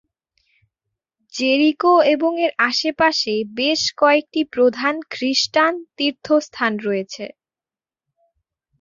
Jericho এবং এর আশেপাশে বেশ কয়েকটি প্রধান খ্রিস্টান তীর্থস্থান রয়েছে।